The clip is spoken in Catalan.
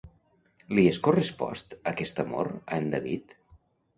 Li és correspost aquest amor a en David?